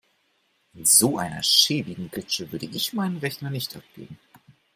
In so einer schäbigen Klitsche würde ich meinen Rechner nicht abgeben.